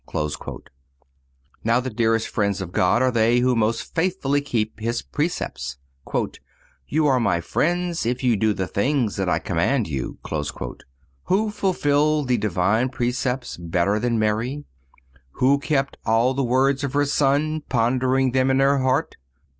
(251) Now the dearest friends of God are they who most faithfully keep His precepts: "You are My friends, if you do the things that I command you."(252) Who fulfilled the divine precepts better than Mary, who kept all the words of her Son, pondering them in her heart?